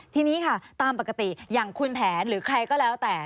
ทีนี้ค่ะตามปกติอย่างคุณแผนหรือใครก็แล้วแต่